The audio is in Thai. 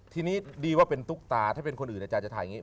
ทีนี้ดีว่าเป็นตุ๊กตาถ้าเป็นคนอื่นอาจารย์จะถ่ายอย่างนี้